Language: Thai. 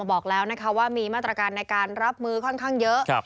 บอกแล้วนะคะว่ามีมาตรการในการรับมือค่อนข้างเยอะ